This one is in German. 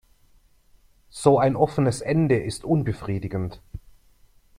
So ein offenes Ende ist unbefriedigend.